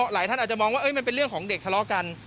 หลายท่านอาจจะมองว่ามันเป็นเรื่องของเด็กทะเลาะกัน